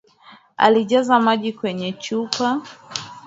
Alijaza maji kwenye chupa